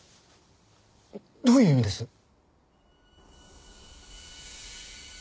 どういう意味です？